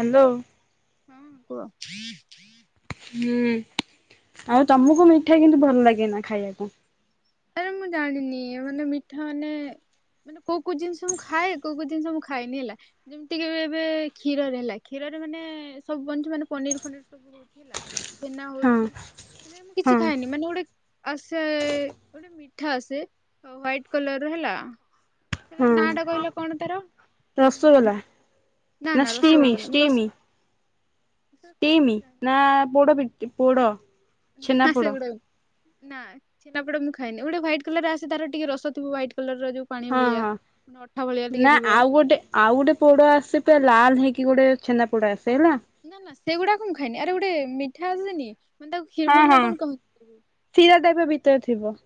Hello. ହଁ କୁହ? ହୁଁ, ଆଉ ତମକୁ ମିଠା କିନ୍ତୁ ଭଲ ଲାଗେ ନା ଖାଇବାକୁ? ହେରା ମୁଁ ଜାଣିନି ମାନେ ମିଠା ମାନେ ମାନେ କୋଉ କୋଉ ଜିନିଷ ମୁଁ ଖାଏ, କୋଉ ଜିନିଷ ମୁଁ ଖାଏନି ହେଲା। ଯେମିତିକି ଏବେ ଏବେ କ୍ଷୀରରେ ହେଲା, କ୍ଷୀରରେ ମାନେ ସବୁ ବନୁଛି ମାନେ ପନିର ଫନିର ସବୁ ହଉଛି। ହେଲା ଛେନା ହଁ ହଉଛି, ମାନେ ମୁଁ ହଁ କିଛି ଖାଏନି ମାନେ ଗୋଟେ ଆସେ ଗୋଟେ ମିଠା ଅ ହ୍ଵାଇଟ୍ କଲର ହେଲା, ହଁ ସେଟା ନାଁଟା କହିଲ କଣ ତାର? ରସଗୋଲା, ନା ଷ୍ଟିମ ରସଗୋଲା ନୁହଁ ରସ ଷ୍ଟିମ, କଣ ମୁଁ ଷ୍ଟିମ। ନା ଜାଣିନି ପୋଡ଼ପି ପୋଡ଼? ନା ସେଗୁଡ଼ାକ ନାଁ ଛେନାପୋଡ଼ ମୁଁ ଖାଏନି, ଗୋଟେ ହ୍ୱାଇଟ କଲର ଆସେ ତାର ଟିକେ ରସ ଥିବ ହ୍ୱାଇଟ୍ କଲରର ଯୋଉ ପାଣି ହଁ ଭଳିଆ ହଁ ପୁଣି ଅଠା ଭଳିଆ ଟିକେ ନା ଥିବ। ଆଉ ଗୋଟେ ଆଉ ଗୋଟେ ପୋଡ଼ ଆସେ ପୁରା ଲାଲ ହେଇକି ଗୋଟେ ଛେନାପୋଡ଼ ଆସେ ହେଲା। ନା ନା ସେଗୁଡାକ ମୁଁ ଖାଇନି, ଆରେ ଗୋଟେ ମିଠା ଆସେନି ମାନେ ତାକୁ ହଁ କ୍ଷୀରମନ ହଁ ନା କଣ କହୁନ୍ତିବି। ଶିରା ଟାଇପର ଭିତରେ ଥିବ।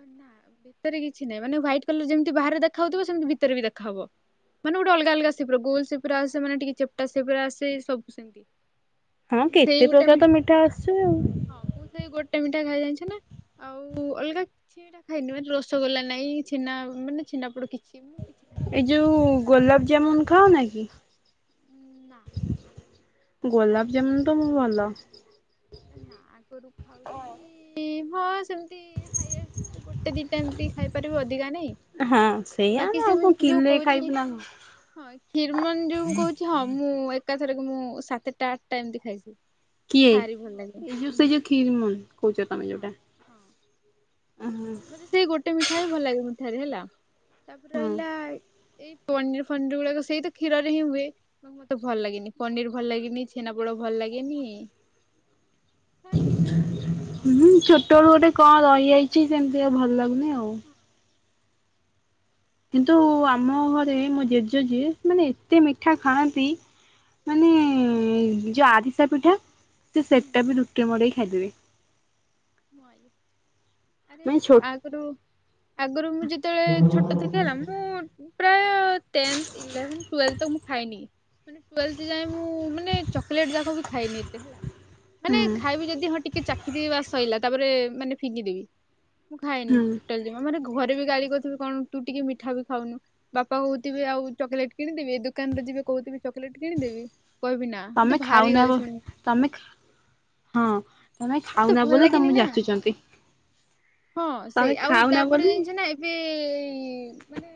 ନା ଭିତରେ କିଛି ନାହିଁ, ମାନେ ହ୍ୱାଇଟ୍ କଲର ଯେମିତି ବାହାରେ ଦେଖା ହଉଥିବ, ସେମିତି ଭିତରେ ବି ଦେଖାହବ। ମାନେ ଗୋଟେ ଅଲଗା ଅଲଗା ସେପର, ଗୋଲ ସେପ୍ର ଆସେ, ମାନେ ଟିକେ ଚେପଟା ସେପ୍ ର ଆସେ ସବୁ ସେମତି। ହଁ କେତେ ପ୍ରକାର ତ ମିଠା ଆସୁଛି ଆଉ। ହଁ ମୁଁ ସେଇ ଗୋଟେ ମିଠା ଖାଇବା ଜାଣିଛି ନା, ଆଉ ଅଲଗା କିଛିବିଟା ଖାଇନି ମାନେ ରସଗୋଲା ନାଇଁ, ଛେନା ମାନେ ଛେନାପୋଡ଼ କିଛି ମାନେ ମୁ କିଛି ଖାଇନି। ଏଇ ଯୋଉ ଗୋଲାପ ଜାମୁନ୍ ଖାଅନା କି? ନା ଗୋଲାପ ଜାମୁନ୍ ତ ମୁଁ ଭଲ। ଏ ନା ଆଗରୁ ଖାଉଥିଲି, ହଁ ସେମିତି ହାଇଏଷ୍ଟ ଗୋଟେ ଦିଇଟା ଏମିତି। ଖାଇପାରିବୁ ଅଧିକା ନାଇଁ, ହଁ ସେଇଆ ନା ବାକି ଆଉ କଣ ସେମିତି ଯୋଉ କିଲେ ଖାଇବୁ କହୁଛି ନା କଣ ହଁ ଷୀରମନ୍ ଯୋଉ ମୁଁ କହୁଛି ହଁ ମୁଁ ଏକାଥରକେ ମୁଁ ସାତଟା ଆଠଟା ଏମିତି ଖାଇଛି, କିଏ ମତେ ଭାରି ଭଲ ଲାଗେ ଏଇ ଯୋଉ ମୁଁ ସେଇ ଯୋଉ କ୍ଷୀରମନ୍ କହୁଛ ତମେ ହଁ। ଯୋଉଟା। ହଁ ଆଁ ହଁ। ମତେ ସେଇ ଗୋଟେ ମିଠା ହିଁ ଭଲଲାଗେ ମିଠାରେ ହେଲା, ତାପରେ ରହିଲା ହୁଁ ଏଇ ପନିର ଫନିର ଗୁଡ଼ାକ ସେଇତ କ୍ଷୀରରେ ହିଁ ହୁଏ। ତ ମତେ ଭଲ ଲାଗେନି ପନିର ଭଲ ଲାଗିନି ଛେନାପୋଡ଼ ଭଲ ଲାଗେନି। କାଇଁ କେଜାଣି? ଉଁହୁଁ ଛୋଟ ବେଳୁ ଗୋଟେ କଣ ରହିଯାଇଛି ସେମିତି ଆଉ ଭଲ ଲାଗୁନି ଆଉ। ହଁ କିନ୍ତୁ ଆମ ଘରେ ମୋ ଜେଜ ଯିଏ ସେ ମାନେ ଏତେ ମିଠା ଖାଆନ୍ତି। ମାନେ ଏଁ ଯୋଉ ଆରିସା ପିଠା ସେ ସେଟା ବି ରୁଟିରେ ମଡେଇ ଖାଇଦେବେ। ମୋ ଆଇ। ଆରେ ମାନେ ଛୋ ଆଗରୁ ଆଗରୁ ମୁଁ ଯେତେବେଳେ ଛୋଟ ଥିଲି ହେଲା ମୁଁ ମୁଁ ପ୍ରାୟ ଟେନ୍ଥ, ଇଲେଭେନ୍, ଟୁଏଲଥ୍ ମୁଁ ଖାଇନି। ମାନେ ଟୁଏଲ୍ଥେ ଯାଏ ମୁଁ ମାନେ ଚକଲେଟ ଯାକ ବି ଖାଇନି ଏତେ ହେଲା। ମାନେ ହୁଁ ଖାଇବି ଯଦି ହଁ ଟିକେ ଚାଖିଦେବି ବାସ୍ ସଇଲା ତାପରେ ମାନେ ଫିଙ୍ଗିଦେବି। ମୁଁ ଖାଏନି ହୁଁ ଟୋଟାଲ୍ ଯମା, ମାନେ ଘରେ ବି ଗାଳି କରୁଛନ୍ତି କଣ ତୁ ଟିକେ ମିଠା ବି ଖାଉନୁ? ବାପା କହୁଥିବେ ଆଉ ଚକେଲେଟ୍ କିଣିଦେବି, ଏ ଦୋକାନରେ ଯିବେ କହୁଥିବେ ଚକେଲେଟ କିଣିଦେବି ମୁ କହିବି ନା। ତମେ ମତେ ଭାରି ଖାଉନା ବ ଗାଳି ଶୁଣିମି। ତମେ ଖା, ହଁ ତମେ ଆଉ ମତେ ଖାଉନା ଭଲ ବୋଲି ଲାଗେନି ତମ ନା ଯାଚୁଛନ୍ତି। ହଁ ତମେ ସେଇ ଆଉ ଖାଉନା ତାପରେ ବୋଲି ଜାଣିଛ ନା ଏ ଏବେ ଏଇ ମାନେ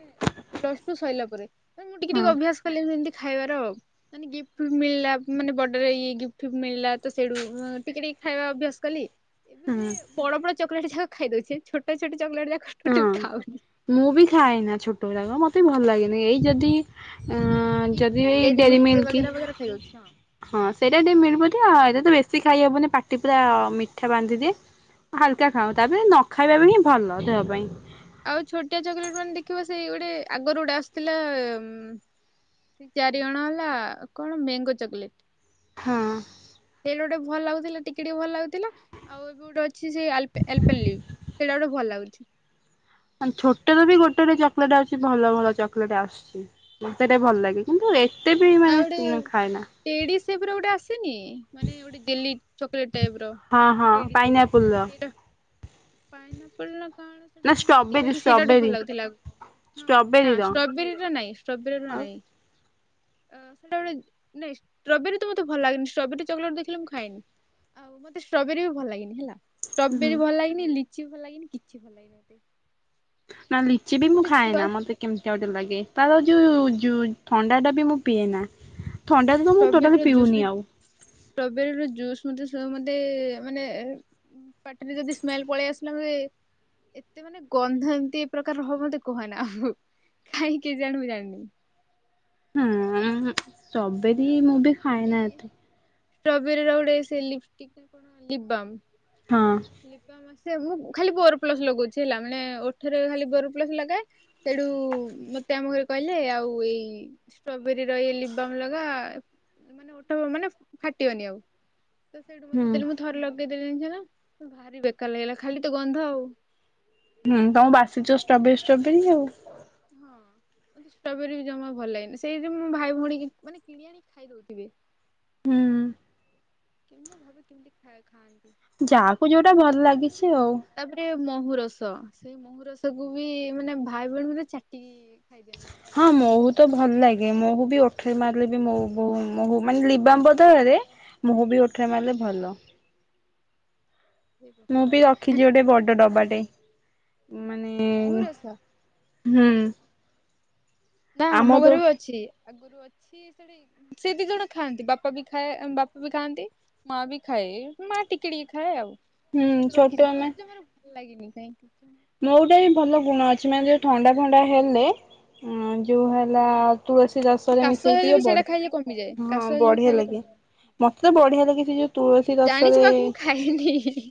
ପ୍ଲସଟୁ ସଇଲା ପରେ ନାଇଁ ମୁଁ ଟିକେ ହଁ ଟିକେ ଅଭ୍ୟାସ କଲି ଏମିତି ଖାଇବାର ମାନେ ଗିଫ୍ଟ ମିଳିଲା ମାନେ ବର୍ଡେ ର ଇଏ ଗିଫ୍ଟ ଫିଫ୍ଟ ମିଳିଲା ତ ସେଇଠୁ ମ ଟିକି ଟିକ ଖାଇବା ଅଭ୍ୟାସ କଲି। ହୁଁ। ବଡ଼ ବଡ଼ ଚକଲେଟ୍ ଯାକ ଖାଇ ଦଉଚି ଛୋଟ ଛୋଟ ଚକଲେଟ୍ ଯାକ ଗୋଟେ ବି ହଁ। ଖାଉନି। ମୁଁ ବି ଖାଏନା ଛୋଟ ଗୁରାକ ମ ଏତେ ଭଲ ଲାଗେନି ଏଇ ଯଦି ହଁ। ଅଁ ଅଁ ଯଦି କିଟକାଟ ଏଇ ଡେରି ମିଲ୍କ ଏ ମିଲ୍କି ବଗେରା ବଗେରା ଖାଇଦଉଛି ହଁ। ହଁ ସେଇଟା ଟିକେ ମିଳିବତି ଆ ଏଟା ତ ବେଶୀ ଖାଇହବନି ପାଟି ପୁରା ମିଠା ବାନ୍ଧିଦିଏ। ହଁ ହାଲକା ଖାଅ ତାପରେ ନ ଖାଇବା ବି ହିଁ ଭଲ ଦେହ ପାଇଁ। ଆଉ ଛୋଟିଆ ଚକଲେଟ ମାନେ ଦେଖିବ ସେଇ ଗୋଟେ ଆଗରୁ ଗୋଟେ ଆସୁଥିଲା ଏ ଏ ମ୍ ଦୁଇ ଚାରି ଅଣ ହେଲା କଣ ମେଙ୍ଗୋ ଚକଲେଟ୍। ହଁ। ୟେଲୋ ଟା ଭଲ ଲାଗୁଥିଲା ଟିକେ ଟିକେ ଭଲ ଲାଗୁଥିଲା। ଆଉ ଏବେ ଗୋଟେ ଅଛି ସେ ଆଲପେ ଏଲପେଲ ଲିବ ସେଇଟା ଗୋଟେ ଭଲ ଲାଗୁଛି। ମାନେ ଛୋଟ ରେ ବି ଗୋଟେରେ ଚକଲେଟ୍ ଆଉଚି ଭଲ ଭଲ ଚକଲେଟ୍ ଆସୁଚି। ମତେ ଏଟା ଭଲ ଲାଗେ କିନ୍ତୁ ରେ ମାନେ କିନୁ ଖାଏନି। ଏଡି ସେଫର ଗୋଟେ ଆସେନି ମାନେ ଗୋଟେ ଜେଲି ଚକଲେଟ୍ ଟାଇପର। ହଁ ହଁ ପାଇନିଆପୁଲ। ଏଇଟା ପାଇନ ଆପୁଲ ନା କଣ ନା ସେଟା ମୁଁ ଜାଣିନି ଷ୍ଟ୍ରବେରୀ ବାକି ସେଇଟା ଗୋଟେ ଷ୍ଟ୍ରବେରୀ ଭଲ ଲାଗୁଥିଲା ଆଗୁ ହଁ ନା ଷ୍ଟ୍ରବେରୀର ଷ୍ଟ୍ରବେରୀର ନାଇଁ ଷ୍ଟ୍ରବେରୀର ଆଉ ନାଇଁ। ହଁ ସେଟା ଗୋଟେ ନାଇଁ ଷ୍ଟ୍ରବେରୀ ତ ମତେ ଭଲ ଲାଗେନି ଷ୍ଟ୍ରବେରୀ ଚକଲେଟ ଦେଖିଲେ ମୁଁ ଖାଏନି। ଆଉ ମତେ ଷ୍ଟ୍ରବେରୀ ବି ଭଲ ଲାଗେନି ହେଲା ହୁଁ। ଷ୍ଟ୍ରବେରୀ ଭଲ ଲାଗିନି ଲିଚି ବି ଭଲ ଲାଗିନି କିଛି ଭଲ ଲାଗେନି ମତେ। ନାଁ ଲିଚି ବି ମୁଁ ଗୋଟେ ଛୁଆ ଖାଏନା ମତେ କେମିତିଆ ଗୋଟେ ଲାଗେ ତାର ଯୋଉ ଜୁ ଥଣ୍ଡାଟା ବି ମୁଁ ପିଏନା। ଆରେ ଥଣ୍ଡା ଟା ତ ମୁଁ ଷ୍ଟ୍ରବେରୀର ଟୋଟାଲି ଜୁସ୍ ବି ପିଉନି ଆଉ। ଷ୍ଟ୍ରବେରୀର ଜୁସ୍ ମତେ ସବୁ ମତେ ଏ ଏ ମାନେ ଏ ପାଟିରେ ଯଦି ସ୍ମେଲ ପଳେଇ ଆସିଲା ବଳେ ଏତେ ମାନେ ଗନ୍ଧ ଏମତି ପ୍ରକାରର ହବ ମତେ କୁହନା ଆଉ କାହିଁକି କେଜାଣି ମୁଁ ଜାଣିନି। ଷ୍ଟ୍ରବେରି ମୁଁ ବି ଖାଏନା ଏତେ। ଷ୍ଟ୍ରବେରୀ ର ଗୋଟେ ସେ ଲିପଷ୍ଟିକ ନା କଣ ଲିପବାମ୍ ହଁ। ଲିପବାମ୍ ଆସିବା ଆଗୁ ମୁଁ ଖାଲି ବୋର ପ୍ଲସ ଲଗାଉଚି ହେଲା ମାନେ ଓଠେରେ ଖାଲି ବୋର ପ୍ଲସ ଲଗାଏ। ସେଇଠୁ ମତେ ଆମ ଘରେ କହିଲେ ଆଉ ଏଇ ଷ୍ଟ୍ରବେରୀ ର ଏଇ ଲିପ୍ ବାମ୍ ଲଗା ମାନେ ଓଠ ମାନେ ଫାଟିବନି ଆଉ। ତ ସେଇଠୁ ହୁଁ ମତେ ଦେଲେ ମୁଁ ଥରେ ଲଗେଇ ଦେଲି ଜାଣିଚ ନା ଭାରି ବେକାର ଲାଗିଲା ଖାଲି ତ ଗନ୍ଧ ଆଉ। ହୁଁ ତମକୁ ବାସିଚ ଷ୍ଟ୍ରବେରୀ ଷ୍ଟ୍ରବେରୀ ଆଉ। ହଁ ମତେ ଷ୍ଟ୍ରବେରୀ ବି ଜମା ଭଲ ଲାଗେନି ସେଇ ଯୋଗୁ ମୁଁ ଭାଇ ଭଉଣୀ କି ମାନେ କିଣିବା ମେ ଖାଇଦଉଥିବେ। ହୁଁ। କି ମୁଁ ଭାବେ କେମିତି ଖା ଖାଆନ୍ତି। ଯାହାକୁ ଯୋଉଟା ଭଲ ଲାଗିଛି ଆଉ। ତାପରେ ମହୁ ରସ ସେଇ ମହୁ ରସକୁୁ ବି ମାନେ ଭାଇ ଭଉଣୀ ମତେ ଚାଟିକି କି ଖାଇଦିଅନ୍ତି। ହଁ ମହୁ ତ ଭଲ ଲାଗେ ମହୁ ବି ଓଠେରେ ମାରିଲେ ବି ମୋ ବୋ ମହୁ ମାନେ ହୁଁ ଲିପ୍ ବାମ ବଦଳରେ ମହୁ ବି ଓଠରେ ମାରିଲେ ଭଲ। ହେ ମୁଁ ବି ଭଗବାନ ରଖିଛି ଗୋଟେ ବଡ ଡବାଟେ। ମାନେ ମହୁ ରସ ହୁଁ। ଏଇଟା ଆମ ଘରେ ବି ଅଛି ଆଗରୁ ଅଛି। ସେ ଦି ଜଣ ଖାଆନ୍ତି ବାପା ବି ଖାଏ ବାପା ବି ଖାଆନ୍ତି। ମା ବି ଖାଏ ମା ଟିକେ ଟିକେ ଖାଏ ଆଉ। ତ ହୁଁ ସେଇଠୁ ଛୋଟ ରଖିଛି ଆମେ ମୋତେ ମାନେ ଭଲ ଲାଗିନି କାହିଁକି। ମହୁଟା ବି ଭଲ ଗୁଣ ଅଛି ମାନେ ଯୋଉ ଥଣ୍ଡା ଫଣ୍ଡା ହେଲେ ଯୋଉ ହେଲା। ତୁଳସୀ ଆଉ ରସରେ କାଶ ମିଶେଇ ହେଲେ ପିଇବ ବି ସେଇଟା ଖାଇଲେ କମିଯାଏ ବଢିଆ ହଁ କାଶ ହେଲେ ବି ବଢିଆ ଖାଇଲେ ଲାଗେ। କମିଯାଏ। ମତେ ବଢିଆ ଲାଗେ ପିଇବା କୁ। ଜାଣିଛି ବାକି ମୁଁ ଖାଇନି ହିଁ ହିଁ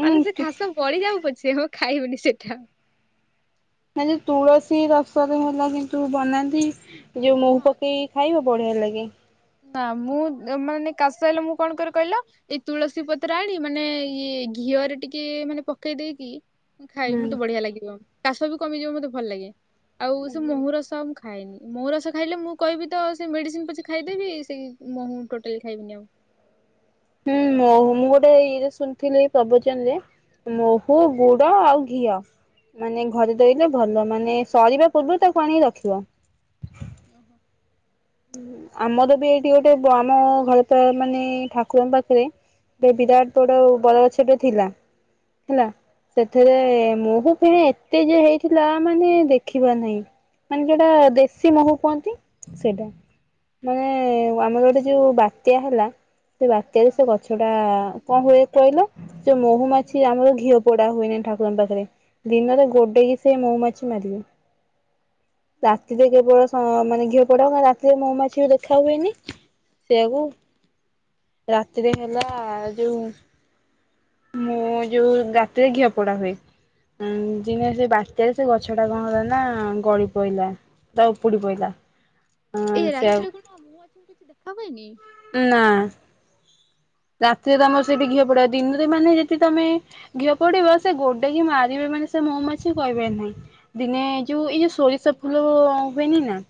ଉଁ ମାନେ ସେ କାଶ। ସରିଯାଉ ପଛେ ମୁଁ ଖାଇବିନି ସେଟା। ନା ଯେ ତୁଳସୀ ରସରେ ହେଲା କିନ୍ତୁ ତୁ ବନାନ୍ତି। ଯୋଉ ମହୁ ହଁ ପକେଇକି ଖାଇବା ବଢିଆ ଲାଗେ। ନା ମୁଁ ମାନେ କାଶ ହେଲେ ମୁଁ କଣ କରେ କହିଲ? ଏଇ ତୁଳସୀ ପତ୍ର ଆଣି ମାନେ ଇଏ ଘିଅରେ ଟିକେ ମାନେ ପକେଇ ଦେଇକି। ଖାଇବି ହୁଁ। ମତେ ବଢିଆ ଲାଗିବ କାଶ ବି କମିଯିବ ମତେ ଭଲ ଲାଗେ ଆଉ ସେ ମହୁ ରସ। ଖାଇନି ମହୁ ରସ ଖାଇଲେ ମୁଁ କହିବି ତ ସେ ମେଡ଼ିସିନ ପଛେ ଖାଇଦେବି ସେଇ ମହୁ ଟୋଟାଲି ଖାଇବିନି ଆଉ। ହୁଁ ମହୁ ମୁଁ ଗୋଟେ ଏଇ ଶୁଣିଥିଲି ପ୍ରବଚନରେ। ମହୁ ଗୁଡ ଆଉ ଘିଅ। ମାନେ ହୁଁ ଘରେ ଧୋଇଲେ ଭଲ ମାନେ ସରିବା ପୂର୍ବରୁ ତାକୁ ଆଣିକି ରଖିବ। ଓହୋ। ନାଇଁ ଆମ ଆମର ବି ଘରେ ଗୁଡ ଏଇଠି ଗୋଟେ କ୍ଷୀର ଆମ କେଜାଣି ଘର। ତ ମାନେ ଠାକୁରଙ୍କ ପାଖରେ ଗୋଟେ ବିରାଟ ବଡ ବର ଗଛଟେ ଥିଲା। ହୁଁ ହେଲା ସେଥିରେ ହୁଁ ମହୁ ଫେଣା ଏତେ ଯେ ହେଇଥିଲା ମାନେ ଦେଖିବା ନାହିଁ। ମାନେ ଯୋଉଟା ଦେଶୀ ମହୁ କୁହନ୍ତି ସେଇଟା। ମାନେ ହଁ ଆମର ଗୋଟେ ଯୋଉ ବାତ୍ୟା ହେଲା ସେ ବାତ୍ୟାରେ ହଁ ସେ ଗ। ଗଛ ଟା କଣ ହୁଏ କହିଲ ଯୋଉ ମହୁମାଛି ଭାଙ୍ଗିଗଲା ଆମର ଘିଅ ପୋଡା ହୁଏନି ଠାକୁରଙ୍କ ପାଖରେ। ଦିନରେ ହଁ ଗୋଡେଇକି ସେ ମହୁମାଛି ମାରିବେ ଓହୋ ରାତିରେ କେବଳ। ହଁ ମାନେ ଘିଅ ପୋଡାହୁଏ ରାତିରେ ମହୁମାଛି ବି ଦେଖା ହୁଏନି ସେଆକୁ। ହୁଁ। ରାତିରେ ହେଲା ଯୋଉ। ମୁଁ ଯୋଉ ରାତିରେ ଘିଅ ପୋଡା ହୁଏ। ଦିନ ସେ ବାତ୍ୟାରେ ସେ ଗଛ ଟା କଣ ହେଲା ନା ଗଳି ପଇଲା। ସେଟା ଉପୁଡ଼ି ପଇଲା। ହଁ ଏଇ ସେଆ ରାତିରେ କଣ ମହୁମାଛି କୁ କିଛି ଦେଖା ହୁଏନି। ନାଁ। ରାତିରେ ତମର ସେଇଠି ଘିଅ ପୋଡା ହୁଏ ଦିନରେ ମାନେ ଯଦି ତମେ। ଘିଅ ପୋଡିବ ସେ ଗୋଡେକ ମାରିବେ ମାନେ ସେ ମହୁ ମାଛି କହିବାର ନାହିଁ। ଦିନେ ଯୋଉ ଏଇ ଯୋଉ ସୋରିଷ ଫୁଲ ହୁଏନି ନା।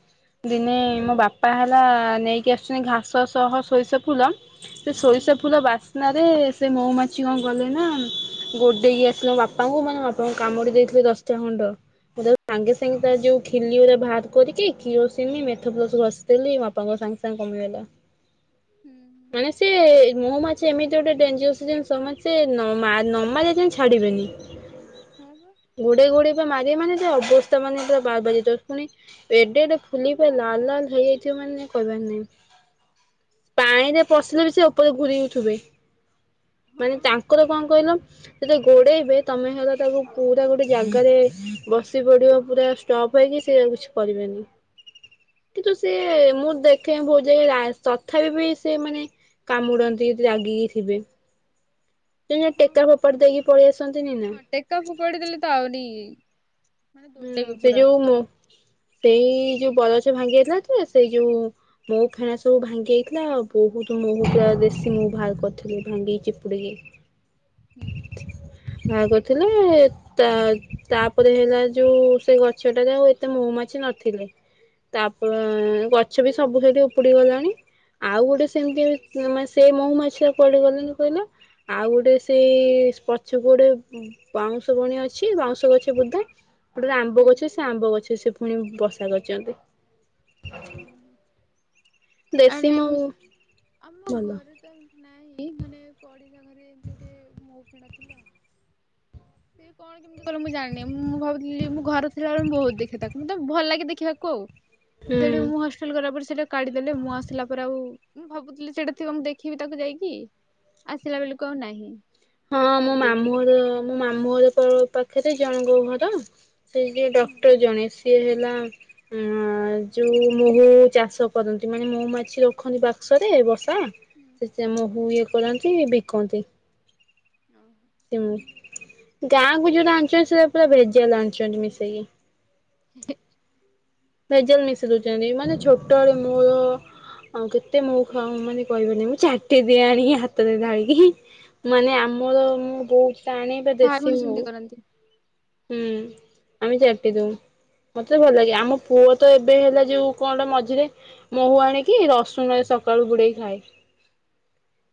ଦିନେ ହଁ ମୋ ବାପା ହେଲା ନେଇକି ଆସୁଛନ୍ତି ଘାସ ସହ ସୋରିଷ ଫୁଲ ସେ ହୁଁ ସୋରିଷ ଫୁଲ ବାସ୍ନାରେ ସେ ମହୁମାଛି କଣ କଲେ ନା ଗୋଡେଇକି ଆସିଲେ ବାପା ବାପାଙ୍କୁ ମାନେ ବାପାଙ୍କୁ କାମୁଡି ଦେଇଥିଲେ ଦଶଟା ଖଣ୍ଡ ତାକୁ ସାଙ୍ଗେ ସାଙ୍ଗେ ତା ଯୋଉ ଖିଲି ଗୁରା ବା କରିକି କିରୋସିନି ମେଥପ୍ଲସ ଘଷିଦେଲି ବାପାଙ୍କ ସାଙ୍ଗେ ସାଙ୍ଗେ କମିଗଲା। ହୁଁ ହୁଁ ମାନେ ସିଏ ମହୁମାଛି ଏମିତି ଗୋଟେ ଡେଞ୍ଜରିଅସ୍ ଜିନିଷ ମାନେ ସେ ନ ମା ନମାରିଲେ ଯାଏଁ ଛାଡ଼ିବେନି। ହଁ ବା। ଗୁଡ଼େଇ ଗୁଡ଼େଇ ବା ମାରିବେ ମାନେ ଅବସ୍ଥା ମାନେ ପୁରା ବାର ବାଜିବ ପୁଣି ଏଡେ ଏଡେ ଫୁଲି ପୁରା ଲାଲ ଲାଲ ହେଇଯାଇଥିଅ ମାନେ କହିବାର ନାଇଁ। ପାଣିରେ ପଶିଲେ ବି ସେ ଉପରେ ଘୁରି ହୋଉଥିବେ ମାନେ ହଁ ତାଙ୍କର କଣ କହିଲ? ସେତେ ଗୋଡେଇବେ ତମେ ହଲେ ତାକୁ ପୁରା ଗୋଟେ ଜାଗାରେ ବସି ପଡିବ ପୁରା ଷ୍ଟପ୍ ହେଇକି ସେ ଆଉ କିଛି କରିପାରିବେନି। କିନ୍ତୁ ସେ ମୁଁ ଦେଖେ ଭୋଉ ଯାଇ ରା ତଥାପି ବି ସେ ମାନେ କାମୁଡ଼ନ୍ତି ରାଗିକି ଥିବେ। ସେ ଯୋଉ ହଁ ଟେକା ବା ଫୋପାଡି ଦେଇକି ପାଳି ଆସନ୍ତିନି ନା ହଁ ଟେକା ଫୋପାଡ଼ିଦେଲେ ତ ଆଉରି ହୁଁ ସେ ଯୋଉ ସେଇ ଯୋଉ ବରଗଛ ଭାଙ୍ଗି ଯାଇଥିଲା ଯେ ସେଇ ଯୋଉ ମହୁଫେଣା ସବୁ ଭାଙ୍ଗି ଯାଇଥିଲା ଆଉ ବହୁତ ମୁହୁ ପୁରା ଦେଶୀ ମହୁ ବାହାର କରିଥିଲି ଭାଙ୍ଗି ଚିପୁଡିକି। ହୁଁ। ବାହାର କରିଥିଲି ତା ତାପରେ ହେଲା ଯୋଉ ସେ ଗଛଟା ଯାଉ ଏତେ ମହୁମାଛି ନଥିଲେ। ତାପରେ ଗଛ ବି ସବୁ ସେଇଠି ଉପୁଡି ଗଲାଣି। ଆଉ ଗୋଟେ ସେମିତି ସେଇ ମହୁମାଛିତା କୁଆଡେ ଗଲେଣି କହିଲ। ଆଉ ଗୋଟେ ସେଇ ପଛକୁ ଗୋଟେ ବାଉଁଶ ବଣୀ ଅଛି ବାଉଁଶ ଗଛ ବୁଦା ଗୋଟେ ଆମ୍ବ ହୁଁ ଗଛ ସେ ଆମ୍ବ ଗଛରେ ସେ ପୁଣି ବସା କରିଛନ୍ତି। ଆ ଦେଶୀ ନେଉ ମହୁ ଆମ ଭଲ ଘରେ ନାଇଁ ମାନେ ପଡିସା ଘରେ ଏମତି ଗୋଟେ ମହୁଫେଣା ଥିଲା। ସେ କଣ କି କି କଣ ମୁଁ ଜାଣିନି ମୁଁ ଭାବୁଥିଲି ମୁଁ ଘର ଥିଲାବେଳେ ବହୁତ ଦେଖି ତାକୁ ମତେ ଭଲ ଲାଗେ ଦେଖିବାକୁ ଆଉ। ସେ ସେଠୁ ହୁଁ। ମୁଁ ହଷ୍ ଗଲା ପରେ ସେଇଟା କାଢିଦେଲେ ମୁଁ ଆସିଲା ପରେ ଆଉ ମୁଁ ଭାବୁଥିଲି ସେଟା ଥିବ ମୁଁ ଦେଖିବି ତାକୁ ଯାଇକି। ଆସିଲା ବେଳକୁ ଆଉ ନାଇଁ। ହଁ ମୋ ମାମୁଁ ଘର ମୋ ମାମୁଁ ତ ଘର ପାଖରେ ଜଣଙ୍କ ଘର। ସେଇ ଯିଏ ହୁଁ। ଡକ୍ଟର ଜଣେ ସିଏ ହେଲା ଆ ଯୋଉ ମହୁ ଚାଷ କରନ୍ତି ମାନେ ମହୁମାଛି ରଖନ୍ତି ବାକ୍ସରେ ଆଁ ହୁଁ ସେ ହୁଁ ମହୁ ଇଏ କରନ୍ତି ବିକନ୍ତି। ହଁ। ହୁଁ ଗାଁକୁ ଯୋଉଟା ଆଣୁଚନ୍ତି ସେଟା ପୁରା ଭେଜାଲ ଆଣୁଛନ୍ତି ମିଶେଇକି। [unintelligible] ମେଜଲ ମିଶେଇ ଦଉଛନ୍ତି ମାନେ ଛୋଟଲୁ ମୋଳ ଅ କେତେ ମହୁ ଖାଉ ମାନେ କହିହବନି ମୁଁ ଚାଟି ଦିଏ ଆଣିକି ହାତରେ ଢାଳିକି। ନା ମାନେ ନା ଆମର ମୁଁ ବୋଉ ଆନେ ବା ମୋ ପୁରା ଭାଇ ଦେଶୀ ଭଉଣୀ ସେମିତି ମହୁ। କରନ୍ତି। ହୁଁ ଆମେ ଚାଟି ଦଉ। ମତେ ତ ଭଲ ଲାଗେ ଆମ ପୁଅ ତ ଏବେ ହେଲେ ଯୋଉ କଣ ମଝିରେ ମହୁ ଆଣିକି ରସୁଣରେ ସକାଳୁ ବୁଡେଇକି ଖାଏ।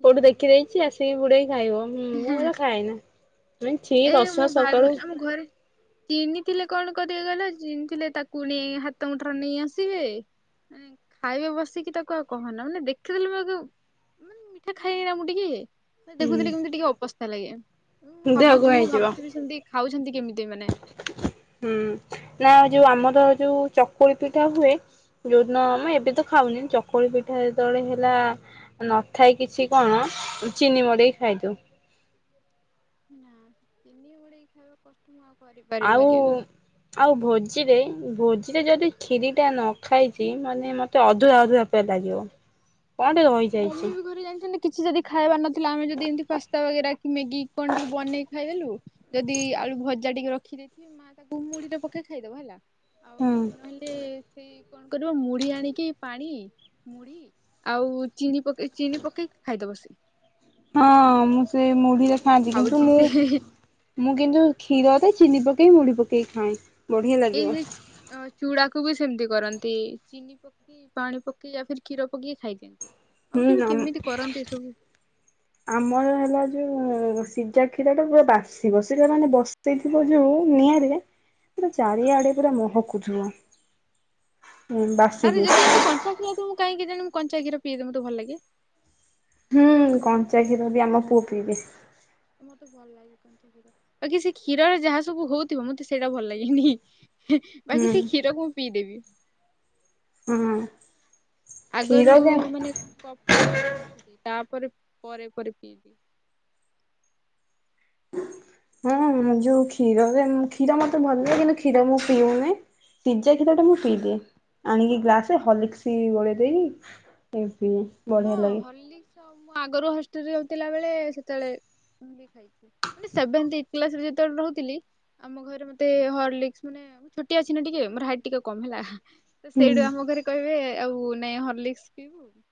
କୋଉଠୁ ଦେଖିଦେଇଛି ଆସିକି ବୁଡେଇକି ଖାଇବ ମୁଁ ହେରା ଖାଏନା। [unintelligible] ଛି ରସୁଣ ସକାଳୁ ମୁଁ ଘରେ ଚିନିଥିଲେ କଣ କରିବେ କହିଲେ ଚିନିଥିଲେ ତାକୁ ନେଇ ହାତ ମୁଠାର ନେଇ ଆସିବେ। ଏଁ ଖାଇବେ ବସିକି ତାକୁ ଆଉ କହନା ମାନେ ଦେଖିଦେଲେ ମତେ ଯୋଉ ମାନେ ମିଠା ଖାଏନି ନା ମୁଁ ଟିକେ [unintelligible] ଦେଖୁଥିଲି କେମିତି ଟିକେ ଅବସ୍ଥା ଲାଗେ। ଦେହକଣ ହେଇଯିବ। ବି ସେମିତି ଖାଉଛନ୍ତି କେମିତି ଏମାନେ। ହୁଁ ନା ଯୋଉ ଆମର ଯୋଉ ଚକୁଳି ପିଠା ହୁଏ। ଯୋଉଦିନ ମୁଁ ଏବେ ତ ଖାଉନି ଚକୁଳି ପିଠା ଯେତେବେଳେ ହେଲା। ନଥାଏ କିଛି କଣ ଚିନି ଉଁ ମଡ଼େଇ ଖାଇଦୋଉ। ନା ଚିନି ବୁଡ଼େଇକି ଖାଇବା କଷ୍ଟ ମୁଁ ଆଉ ଆଉ କରିପାରିବିନି କେବେ। ଆଉ ଭୋଜିରେ ଭୋଜିରେ ଯଦି କ୍ଷିରିଟା ନ ଖାଇଚି ମାନେ ମତେ ଅଧୁରା ଅଧୁରା ପ୍ରାୟ ଲାଗିବ। କଣ ଟେ ମମି ରହିଯାଇଛି। ବି ଘରେ ଜାଣିଛନ୍ତି କିଛି ଯଦି ଖାଇବା ନଥିଲା ଆମେ ଯଦି ଏମିତି ପାସ୍ତା ବଗେରା କି ମ୍ୟାଗି କଣ ଟିକେ ବନେଇକି ଖାଇଦେଲୁ। ଯଦି ଆଳୁ ଭଜା ଟିକେ ରଖିଦେଇଥିବି ମା ତାକୁ ମୁଢ଼ୀରେ ପକେଇ ଖାଇଦବ ହେଲା। ହୁଁ। ଏ ସେଇ କଣ କରିବ ମୁଢ଼ି ଆଣିକି ପାଣି ମୁଢ଼ି ଆଉ ଚିନି ପକେଇ ଚିନି ପକେଇକି ଖାଇଦବ ସେ। ହଁ ମୁଁ ସେ ମୁଢ଼ିରେ ଖାଆନ୍ତି କିନ୍ତୁ ଖାଉଛି ମୁଁ ସେ ମୁଁ କିନ୍ତୁ କ୍ଷୀରରେ ଚିନି ପକେଇ ମୁଢ଼ି ପକେଇ ଖାଏ ବଢ଼ିଆ ଲାଗିବ। ଅ ଚୁଡ଼ାକୁ ବି ସେମିତି କରନ୍ତି ଚିନି ପ କି ପାଣି ପକେଇ ଆଉ କିଛି କ୍ଷୀର ପକେଇକି ଖାଇଦିଅନ୍ତି ଆଉ ହୁଁ ତେବେ ଆମ କେମିତି କରନ୍ତି ଏସବୁ। ଆମର ହେଲା ଯୋଉ ସିଜା କ୍ଷୀରଟା ପୁରା ବାସିବ ସେଟା ମାନେ ବସ ସେଇଥିବ ଯୋଉ ନିଆଁରେ ପୁରା ଚାରିଆଡ଼େ ପୁରା ମହକୁଥିବ। ହୁଁ ବାସ୍ ଆହୁରି ଯଦି ଏମିତି କଞ୍ଚା କ୍ଷୀର ଦବୁ କାହିଁ କେଜାଣି ମୁଁ କଞ୍ଚା କ୍ଷୀର ପିଏ ଯେ ମୋତେ ଭଲ ଲାଗେ। ହୁଁ କଞ୍ଚା କ୍ଷୀର ବି ଆମ ପୁଅ ପିଇଦିଏ। ମତେ ଭଲ ଲାଗେ କ ବାକି ସେ କ୍ଷୀରରେ ଯାହା ସବୁ ହୋଉଥିବ ମତେ ସେରା ଭଲ ଲାଗେନି ହି। ବାକି ହୁଁ ସେ କ୍ଷୀରକୁ ମୁଁ ପିଇଦେବି। ହୁଁ। ଆଗରୁ ମାନେ କଫି ବି ପିଉନଥିଲ ତାପରେ ପରେ ପରେ ପିଇଲି। ହଁ ମତେ ଯୋଉ କ୍ଷୀରରେ କ୍ଷୀର ମତେ ଭଲ ଲାଗେ ହେଲେ କ୍ଷୀର ମୁଁ ପିଉନି। ସିଜା କ୍ଷୀରଟା ମୁଁ ପିଇଦିଏ ଆଣିକି ଗ୍ଲାସରେ ହଲିକ୍ସି ଗୋଳେଇ ଦେଇକି। ଏ [unintelligible] ହଁ ହର୍ଲିକ୍ସ ଆଉ ମୁଁ ଆଗରୁ ହଷ୍ଟେଲରେ ରହୁଥିଲା ବେଳେ ସେତେଳେ ବି ଖାଇ [unintelligible] ମାନେ ସେଭେନ୍ଥ ଏଇଟି କ୍ଲାସରେ ଯେତେବେଳେ ରହୁଥିଲି ଆମ ଘରେ ମତେ ହର୍ଲିକ୍ସ ମାନେ ମୁଁ ଛୋଟିଆ ଅଛି ନା ଟିକେ ମୋର ହାଇଟ ଟିକେ କମ୍ ହେଲା। ତ ସେଇଟା ହୁଁ। ଆମ ଘରେ କହିବେ ଆଉ ନାଇଁ ହର୍ଲିକ୍ସ ପିଇବୁ?